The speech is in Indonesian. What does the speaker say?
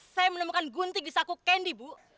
saya menemukan gunting di saku candy bu